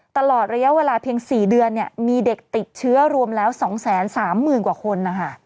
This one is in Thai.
ตลอดระยะเวลาเพียง๔เดือนมีเด็กติดเชื้อรวมแล้ว๒๓๐๐๐กว่าคน